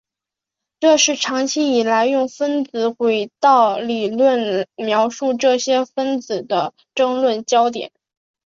这是长期以来用分子轨道理论描述这些分子的争论焦点。